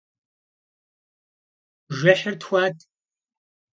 Бжыхьыр тхуат.